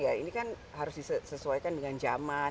ya ini kan harus disesuaikan dengan zaman